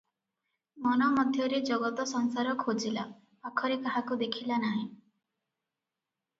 ମନ ମଧ୍ୟରେ ଜଗତ ସଂସାର ଖୋଜିଲା, ପାଖରେ କାହାକୁ ଦେଖିଲା ନାହିଁ ।